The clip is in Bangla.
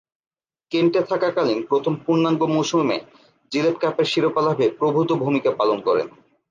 কেন্টে থাকাকালীন প্রথম পূর্ণাঙ্গ মৌসুমে জিলেট কাপের শিরোপা লাভে প্রভূতঃ ভূমিকা পালন করেন।